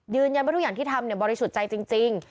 ยืนยันว่าทุกอย่างที่ทำบริสุทธิ์ใจจริง